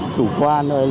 chủ quan ạ